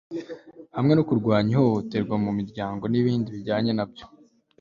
hamwe no kurwanya ihohoterwa mu miryango n'ibindi bijyanye nabyo